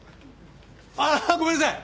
ああごめんなさい！